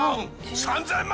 ３，０００万！